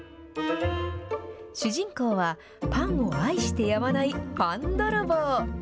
主人公は、パンを愛してやまないパンどろぼう。